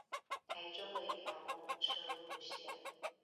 台中的一條公車路線